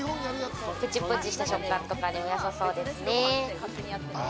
プチプチした食感とかにもよさそうですね。